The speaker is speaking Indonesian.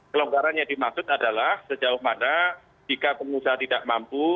kelonggaran yang dimaksud adalah sejauh mana jika pengusaha tidak mampu